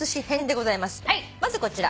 まずこちら。